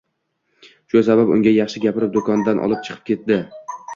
Shu sabab unga yaxshi gapirib do`kondan olib chiqib ketdi